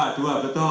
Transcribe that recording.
papua dua betul